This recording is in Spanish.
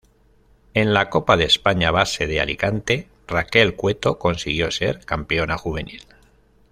En la Copa de España Base de Alicante, Raquel Cueto consiguió ser campeona juvenil.